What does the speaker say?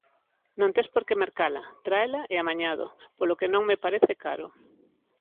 Non tes por que mercala, tráela e amañado, polo que non me parece caro.